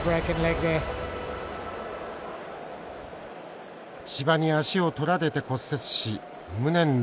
芝に脚を取られて骨折し無念の退場。